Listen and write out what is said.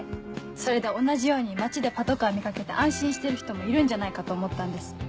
それで同じように町でパトカー見掛けて安心してる人もいるんじゃないかと思ったんです。